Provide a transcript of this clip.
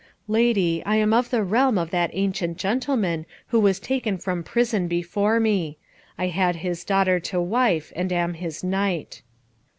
"Lady, I am of the realm of that ancient gentleman who was taken from prison before me. I had his daughter to wife, and am his knight."